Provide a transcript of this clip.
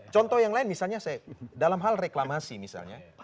contoh yang lain misalnya dalam hal reklamasi misalnya